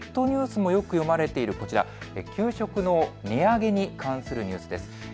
ニュースでもよく読まれている給食の値上げに関するニュースです。